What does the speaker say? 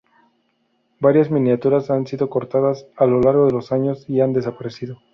Varias miniaturas han sido cortadas a lo largo de los años y han desaparecido